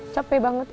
capek banget ya